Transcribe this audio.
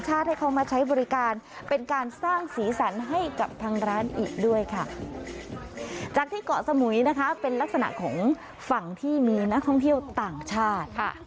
จากที่เกาะสมุยนะคะเป็นลักษณะของฝั่งที่มีนักท่องเที่ยวต่างชาติ